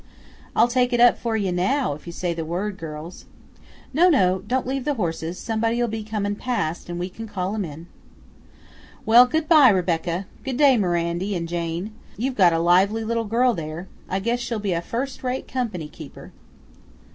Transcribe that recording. "I'll take it up for ye now, if ye say the word, girls." "No, no; don't leave the horses; somebody'll be comin' past, and we can call 'em in." "Well, good by, Rebecca; good day, Mirandy 'n' Jane. You've got a lively little girl there. I guess she'll be a first rate company keeper."